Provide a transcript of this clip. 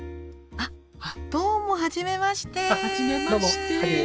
あっどうも初めまして。